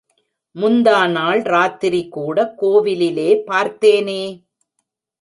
முந்தாநாள் ராத்திரி கூட கோவிலிலே பார்த்தேனே!.